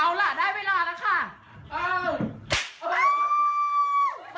เอาล่ะได้เวลาแล้วค่ะ